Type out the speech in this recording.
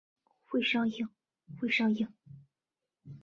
未上映未上映